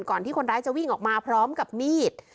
ก่อนที่คนร้ายร้ายนั้นจะวิ่งออกมาพร้อมกับนีต